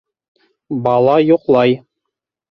Бала йоҡлай.